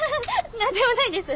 何でもないです。